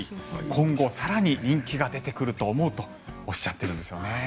今後更に人気が出てくると思うとおっしゃってるんですね。